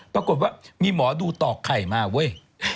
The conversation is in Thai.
ปรากฏว่ามีหมอดูตอกไข่มาเว้ย